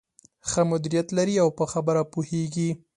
ښه مديريت لري او په خبره پوهېږې.